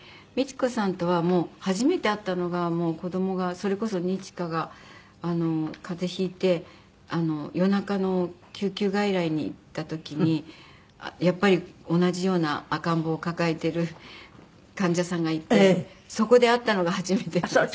ミチコさんとはもう初めて会ったのが子どもがそれこそ二千翔が風邪ひいて夜中の救急外来に行った時にやっぱり同じような赤ん坊を抱えてる患者さんがいてそこで会ったのが初めてです。